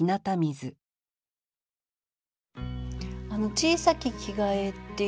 「小さき着替え」っていう。